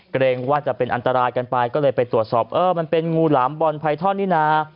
เกรงว่าจะเป็นอันตรายกันไปก็เลยไปตรวจสอบเออมันเป็นงูหลามบอลไพท่อนนี่นะ